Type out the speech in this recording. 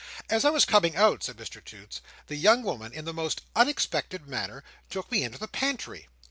"As I was coming out," said Mr Toots, "the young woman, in the most unexpected manner, took me into the pantry."